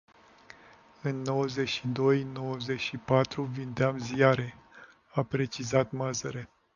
În nouăzeci și doi nouăzeci și patru vindeam ziare, a precizat Mazăre.